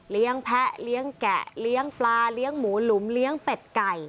แพะเลี้ยงแกะเลี้ยงปลาเลี้ยงหมูหลุมเลี้ยงเป็ดไก่